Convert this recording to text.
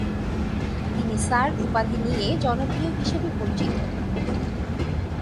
তিনি স্যার উপাধি দিয়ে জনপ্রিয় হিসাবে পরিচিত।